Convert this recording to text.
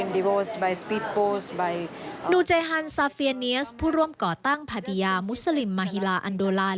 เจฮันซาเฟียเนียสผู้ร่วมก่อตั้งปฏิญามุสลิมมฮิลาอันโดลาน